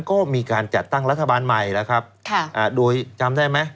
ก็มีการจัดตั้งรัฐบาลใหม่แล้วครับค่ะอ่าโดยจำได้ไหม